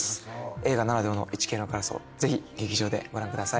映画ならではの『イチケイのカラス』をぜひ劇場でご覧ください。